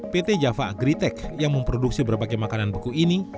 pt java agritech yang memproduksi berbagai makanan beku ini